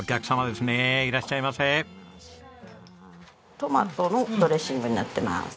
トマトのドレッシングになってます。